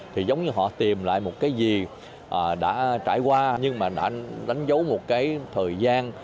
thì giống như họ tìm lại một cái gì đã trải qua nhưng mà đã đánh dấu một cái thời gian